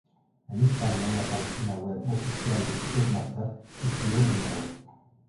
En España, la página web oficial de Ticketmaster, sufrió un error.